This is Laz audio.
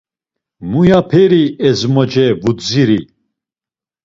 Muyaperi ezmoce vudziri!